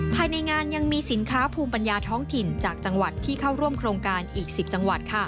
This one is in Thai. ภายในงานยังมีสินค้าภูมิปัญญาท้องถิ่นจากจังหวัดที่เข้าร่วมโครงการอีก๑๐จังหวัด